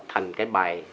thành cái bài